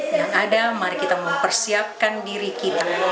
yang ada mari kita mempersiapkan diri kita